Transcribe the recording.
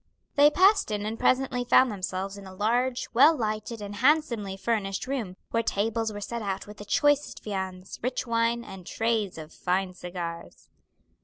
They passed in and presently found themselves in a large, well lighted, and handsomely furnished room, where tables were set out with the choicest viands, rich wine, and trays of fine cigars.